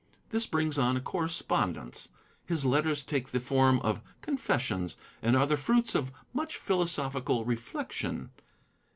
This brings on a correspondence. His letters take the form of confessions, and are the fruits of much philosophical reflection.